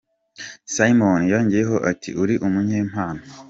" Simon yongeyeho ati "Uri umunyempano.